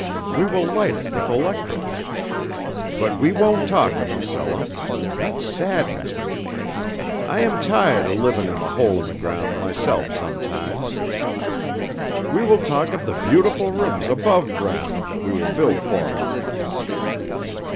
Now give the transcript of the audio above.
We will light it with electrics. But we won't talk of the cellah. That saddens me. I am tiahd of livin' in the hole in the ground myself sometimes. We will talk of the beautiful rooms above ground that we will build fo' her.